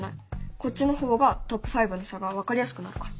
こっちの方がトップ５の差が分かりやすくなるから。